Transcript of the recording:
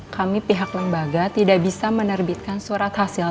kami pihak lembaga tidak bisa menerbitkan surat hasil